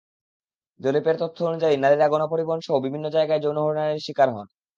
জরিপের তথ্য অনুযায়ী, নারীরা গণপরিবহনসহ বিভিন্ন জায়গায় যৌন হয়রানির শিকার হন।